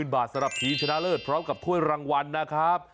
บาทสำหรับทีมชนะเลิศพร้อมกับถ้วยรางวัลนะครับ